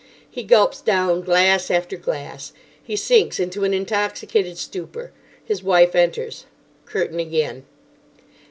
He gulps down glass after glass. He sinks into an intoxicated stupor. His wife enters. Curtain again.